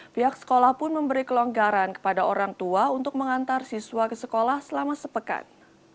pihak sekolah pun memberi kelonggaran kepada orang tua untuk mengantar siswa ke sekolah selama sepekan